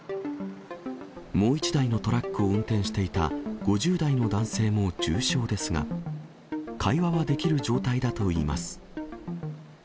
もう１台のトラックを運転していた５０代の男性も重傷ですが、会話はできる状態だということです。